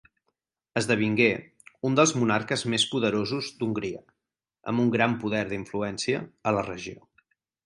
Esdevingué un dels monarques més poderosos d'Hongria, amb un gran poder d'influència a la regió.